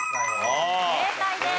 正解です。